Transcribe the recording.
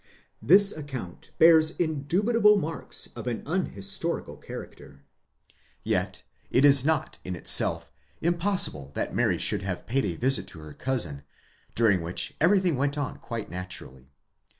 This account bears indubitable marks of an un historical character. Yet, it is not, in itself, impossible that Mary should have paid a visit to her cousin, during which everything went on quite naturally.